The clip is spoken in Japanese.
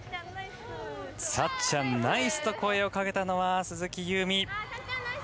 さっちゃんナイスと声をかけたのは鈴木夕湖。